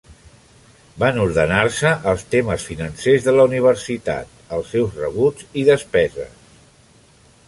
Van ordenar-se els temes financers de la universitat, els seus rebuts i despeses.